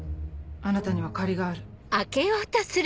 あなたには借りがある。